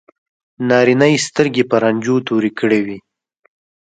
نارینه یې سترګې په رنجو تورې کړې وي.